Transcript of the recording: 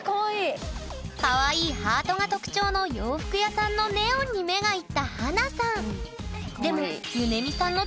かわいいハートが特徴の洋服屋さんのネオンに目がいった華さん。